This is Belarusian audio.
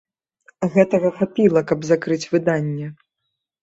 Гэтага хапіла, каб закрыць выданне.